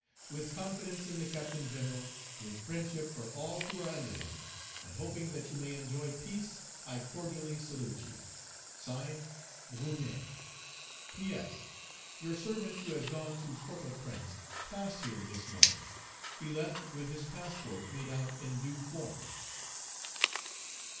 Page 318 "With confidence in the Captain General, with friendship for all who are under him, and hoping that you may enjoy peace, I cordially salute you. (Signed) "BRUNET. "P. S. Your servant who has gone to Port au Prince passed here this morning; he left with his passport made out in due form."